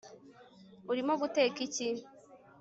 urimo guteka iki